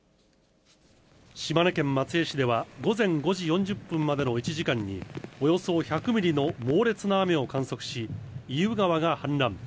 島根県松江市では午前５時４０分までの１時間に、およそ１００ミリの猛烈な雨を観測し、意宇川が氾濫。